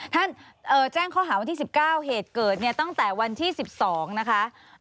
แจ้งข้อหาวันที่๑๙เหตุเกิดเนี่ยตั้งแต่วันที่๑๒นะคะ